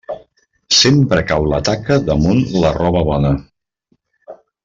Sempre cau la taca damunt la roba bona.